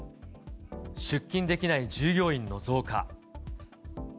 出勤できない従業員の増加。